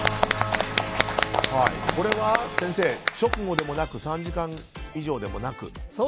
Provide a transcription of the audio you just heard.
これは先生、直後でもなく３時間以上でもなく。